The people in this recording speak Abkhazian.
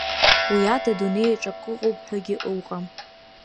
Уи ада адунеиаҿы акыҟоупҳәагьы уҟам.